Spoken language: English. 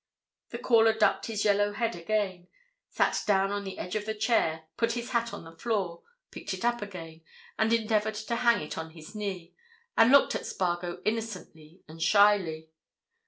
The caller ducked his yellow head again, sat down on the edge of the chair, put his hat on the floor, picked it up again, and endeavoured to hang it on his knee, and looked at Spargo innocently and shyly.